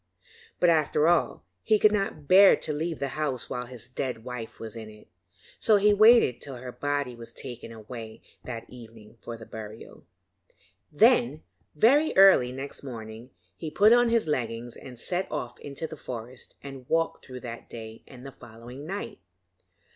But, after all, he could not bear to leave the house while his dead wife was in it, so he waited till her body was taken away that evening for burial. Then, very early next morning, he put on his leggings and set off into the forest and walked through that day and the following night.